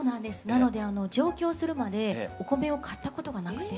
なので上京するまでお米を買ったことがなくて。